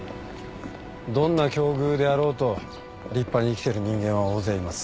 どんな境遇であろうと立派に生きてる人間は大勢います。